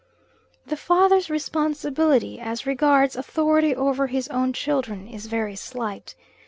The father's responsibility, as regards authority over his own children, is very slight.